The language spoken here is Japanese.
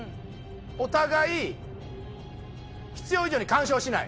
「お互い必要以上に干渉しない」。